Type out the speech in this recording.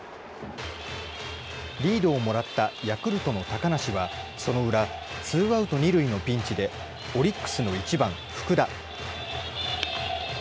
リードをもらったヤクルトの高梨は、その裏ツーアウト、二塁のピンチでオリックスの１番福田。